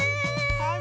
はい！